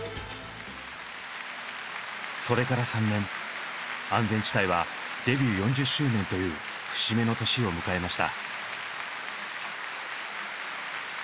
それから３年安全地帯はデビュー４０周年という節目の年を迎えました。